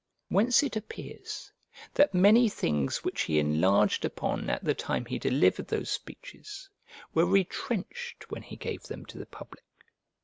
Whence it appears that many things which he enlarged upon at the time he delivered those speeches were retrenched when he gave them to the public.